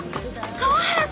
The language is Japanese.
川原君！